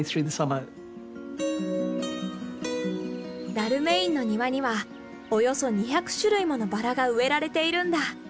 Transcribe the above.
ダルメインの庭にはおよそ２００種類ものバラが植えられているんだ。